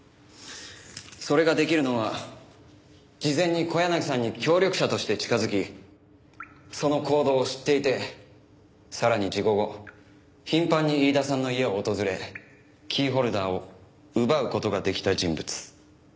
それができるのは事前に小柳さんに協力者として近づきその行動を知っていてさらに事故後頻繁に飯田さんの家を訪れキーホルダーを奪う事ができた人物。